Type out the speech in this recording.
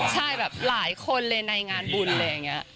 ใช่แบบหลายคนเลยในงานบุญอะไรอย่างนี้